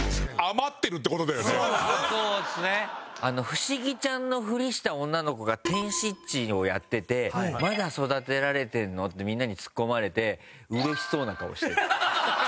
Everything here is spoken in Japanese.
不思議ちゃんのふりした女の子が「てんしっち」をやってて「まだ育てられてるの？」ってみんなにツッコまれてうれしそうな顔してた。